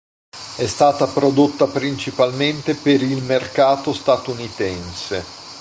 È stata prodotta principalmente per il mercato statunitense.